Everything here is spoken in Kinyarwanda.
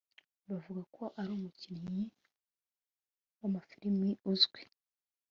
Bavuga ko ari umukinnyi wamafirime uzwi